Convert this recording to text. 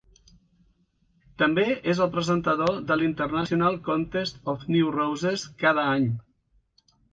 També és el presentador de l'International Contest of New Roses cada any.